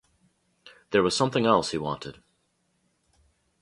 There was something else he wanted.